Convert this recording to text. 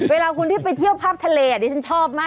เวลาคุณที่ไปเที่ยวภาพทะเลดิฉันชอบมาก